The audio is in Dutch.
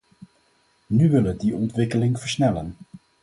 Nu wil het die ontwikkeling versnellen.